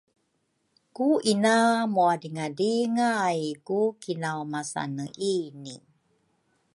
ku ina muadringadringay ku kinaumasaneini.